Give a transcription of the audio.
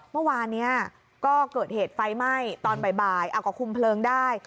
เมื่อวานนี้ก็เกิดเหตุไฟไหม้ตอนบ่ายเอาก็คุมเพลิงได้